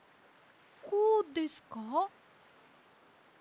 こうですか？